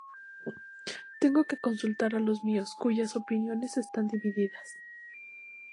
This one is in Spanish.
Tengo que consultar a los míos, cuyas opiniones están divididas.